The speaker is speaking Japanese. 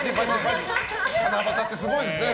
七夕ってすごいですね。